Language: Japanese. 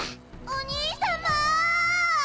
おにいさま！